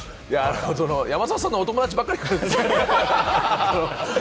山里さんのお友達ばっかり来るんですけれど。